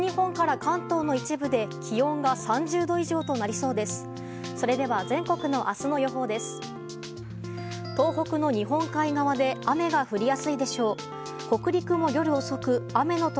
それでは全国の明日の予報です。